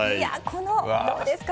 どうですか？